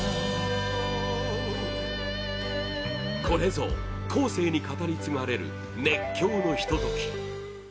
これぞ後世に語り継がれる熱狂のひと時